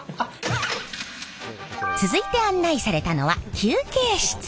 続いて案内されたのは休憩室。